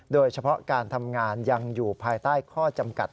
โดยเฉพาะการทำงานยังอยู่ภายใต้ข้อจำกัด